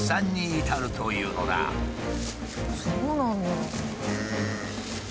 そうなんだ。